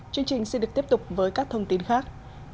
chương trình xin được tiếp tục với các thông tin khác